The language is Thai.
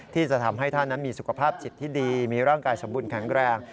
ที่จะทำให้ท่านนั้นมีสุขภาพจิตที่ดีมีร่างกายสมบูรณแข็งแรง